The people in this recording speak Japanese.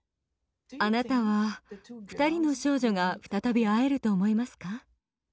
あなたは二人の少女が再び会えると思いますか？